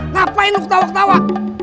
ngapain lu ketawa ketawa